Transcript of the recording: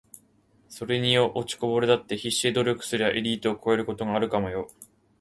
｢それによ……落ちこぼれだって必死で努力すりゃエリートを超えることがあるかもよ｣